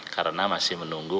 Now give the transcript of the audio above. karena masih menunggu